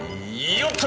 よっと！